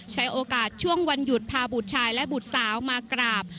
ใช้โอกาสช่วงวันหยุดพาบุตรชายและบุตรสาวมากราบ